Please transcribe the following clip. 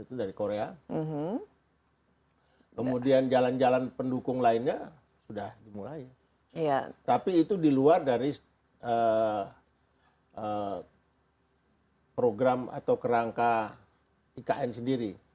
itu dari korea kemudian jalan jalan pendukung lainnya sudah dimulai tapi itu di luar dari program atau kerangka ikn sendiri